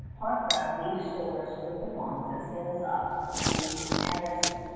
Pontgravé leaves stores with De Monts and sails on up to Tadoussac.